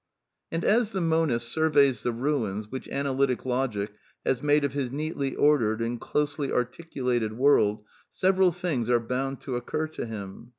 And as the monist surveys the ruins which Analytic Logic has made of his neatly ordered and closely articu lated world, several things are bound to occur to him.